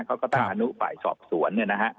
เขาก็เติมอาณุฝ่ายสอบสวนนี่นะฮะ